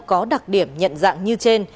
có đặc điểm nhận dạng như trên